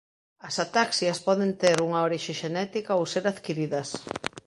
As ataxias poden ter unha orixe xenética ou ser adquiridas.